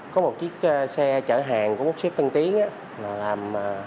có một chiếc xe chở hàng của một xếp tân tiến là làm